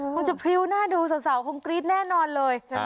คงจะพริ้วหน้าดูสาวคงกรี๊ดแน่นอนเลย